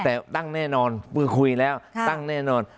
แต่ตั้งแน่นอนมือคุยแล้วตั้งแน่นอน